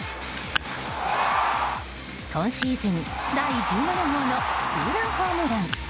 今シーズン第１７号のツーランホームラン。